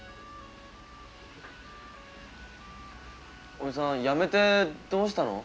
おじさん辞めてどうしたの？